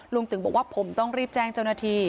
ตึงบอกว่าผมต้องรีบแจ้งเจ้าหน้าที่